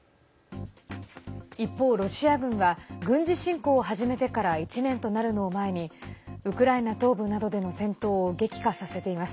一方、ロシア軍は軍事侵攻を始めてから１年となるのを前にウクライナ東部などでの戦闘を激化させています。